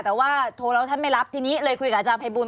แต่ว่าโทรแล้วท่านไม่รับทีนี้เลยคุยกับอาจารย์ภัยบูล